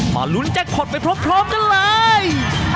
มาลุ้นแจกผ่อนไปพร้อมกันเลย